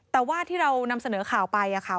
แต่ว่าที่เรานำเสนอข่าวไปค่ะ